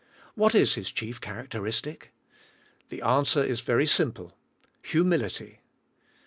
What is His chief characteristic? The answer is very simple, humility.